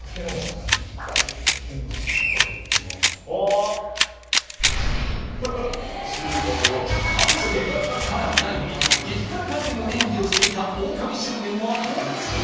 あら果たして辛くないのに激辛カレーの演技をしていたオオカミ少年はどっち？